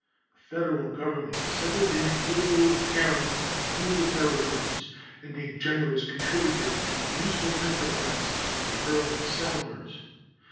The Federal Government has ever been a liberal parent to the Territories and a generous contributor to the useful enterprises of the early settlers.